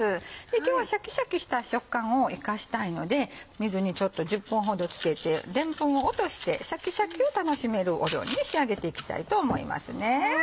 今日はシャキシャキした食感を生かしたいので水に１０分ほどつけてでんぷんを落としてシャキシャキを楽しめる料理に仕上げていきたいと思いますね。